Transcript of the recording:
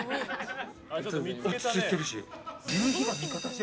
落ち着いてるし。